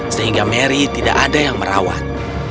sehingga mary tidak ada yang merawat